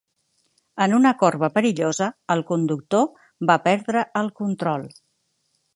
En una corba perillosa el conductor va perdre el control.